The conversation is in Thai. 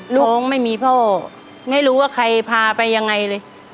ลูกน้องไม่มีพ่อไม่รู้ว่าใครพาไปยังไงเลย